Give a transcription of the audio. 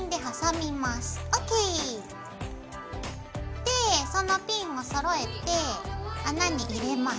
でそのピンをそろえて穴に入れます。